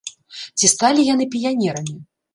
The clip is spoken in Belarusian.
Ці сталі яны піянерамі?